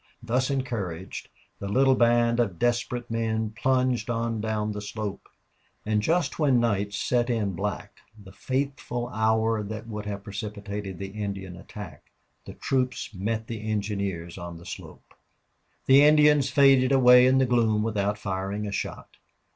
Thus encouraged, the little band of desperate men plunged on down the slope. And just when night set in black the fateful hour that would have precipitated the Indian attack the troops met the engineers on the slope. The Indians faded away into the gloom without firing a shot.